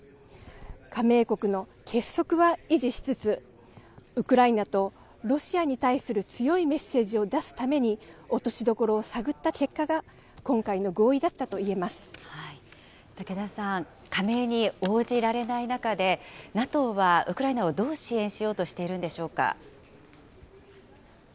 加盟国の結束は維持しつつ、ウクライナとロシアに対する強いメッセージを出すために、落としどころを探った結果が、竹田さん、加盟に応じられない中で、ＮＡＴＯはウクライナをどう支援しようとしているんでしょうか。